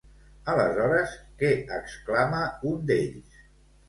Aleshores, què exclama un d'ells?